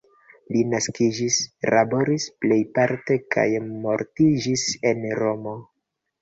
Li naskiĝis, laboris plejparte kaj mortiĝis en Romo.